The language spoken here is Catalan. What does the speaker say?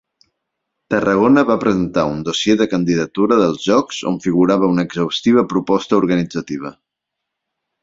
Tarragona va presentar un dossier de candidatura dels Jocs on figurava una exhaustiva proposta organitzativa.